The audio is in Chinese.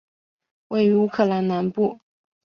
位于乌克兰南部。